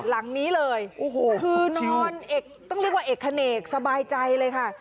หลังนี้เลยคือนอนต้องเรียกว่าเอกเขเนกสบายใจเลยค่ะ